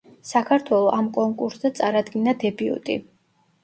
საქართველო ამ კონკურსზე წარადგინა დებიუტი.